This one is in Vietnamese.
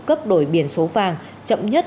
cấp đổi biển số vàng chậm nhất